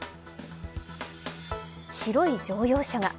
白い乗用車が！